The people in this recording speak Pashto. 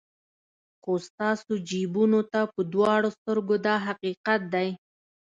خو ستاسو جیبونو ته په دواړو سترګو دا حقیقت دی.